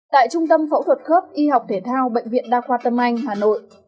tại trung tâm phẫu thuật khớp y học thể thao bệnh viện đa khoa tâm anh hà nội